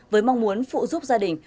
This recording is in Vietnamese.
với mong muốn phụ giúp gia đình